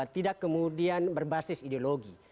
tidak kemudian berbasis ideologi